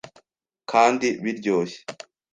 kandi biryoshye. ”